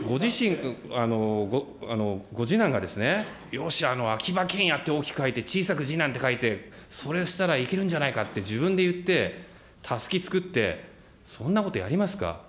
ご次男がですね、よーし、秋葉賢也って大きく書いて、小さく次男って書いて、それをしたらいけるんじゃないかって自分でいって、たすき作って、そんなことやりますか。